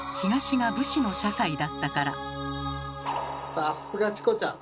さすがチコちゃん！